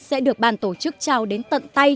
sẽ được ban tổ chức trao đến tận tay